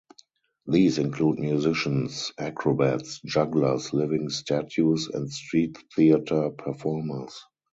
These include musicians, acrobats, jugglers, living statues, and street theatre performers.